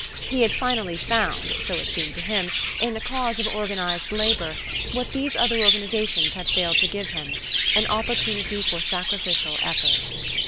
He had finally found, so it seemed to him, in the cause of organized labor, what these other organizations had failed to give him an opportunity for sacrificial effort.